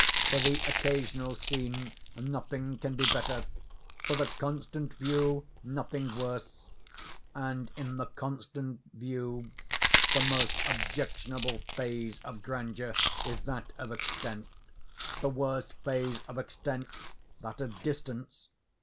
For the occasional scene nothing can be better—for the constant view nothing worse. And, in the constant view, the most objectionable phase of grandeur is that of extent; the worst phase of extent, that of distance.